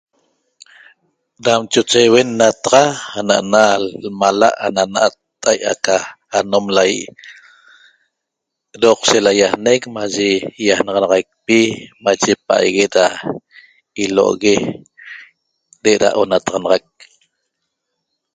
Dam choche iehuen nataxanaxa ana na mala' da ana na tahia a' ca anom lahie Doqsheq la iaxneq maye iaxnaxanaxaiqpi maye paitaguet da ilo'ogue de eda onataxanaxaiq